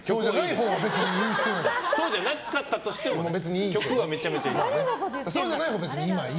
そうじゃなかったとしても曲はめちゃめちゃいい。